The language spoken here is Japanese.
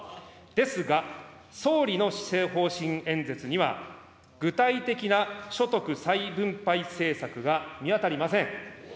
ですが、総理の施政方針演説には、具体的な所得再分配政策が見当たりません。